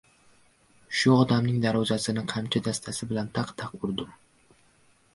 Shu odamning darvozasini qamchi dastasi bilan taq-taq urdim.